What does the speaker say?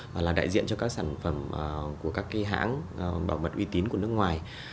và là đại diện cho các sản phẩm của các cái hãng bảo mật uy tín của nước ngoài